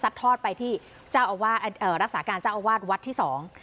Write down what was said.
ทอดไปที่เจ้าอาวาสเอ่อรักษาการเจ้าอาวาสวัดที่สอง